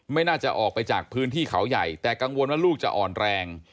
ไม่น่าจะออกไปจากพื้นที่เขาใหญ่แต่กังวลว่าลูกจะอ่อนแรง